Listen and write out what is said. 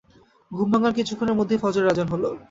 ঘুম ভাঙার কিছুক্ষণের মধ্যেই ফজরের আজান হল।